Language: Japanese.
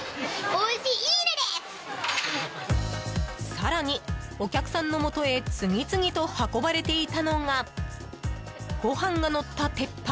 更に、お客さんのもとへ次々と運ばれていたのがご飯がのった鉄板。